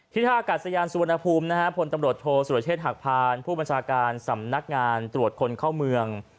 ท่าอากาศยานสุวรรณภูมินะฮะพลตำรวจโทษสุรเชษฐหักพานผู้บัญชาการสำนักงานตรวจคนเข้าเมือง